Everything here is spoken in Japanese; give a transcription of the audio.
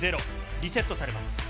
リセットされます。